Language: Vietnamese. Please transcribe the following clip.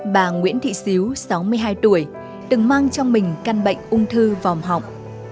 bà nguyễn thị xíu sáu mươi hai tuổi từng mang trong mình căn bệnh ung thư vòng họng